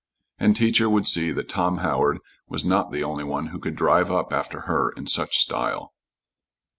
And Teacher would see that Tom Howard was not the only one who could drive up after her in such style.